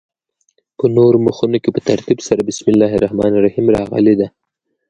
په نورو مخونو کې په ترتیب سره بسم الله الرحمن الرحیم راغلې ده.